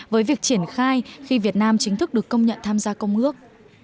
với việc triển khai khi việt nam chính thức được công nhận tham gia công ước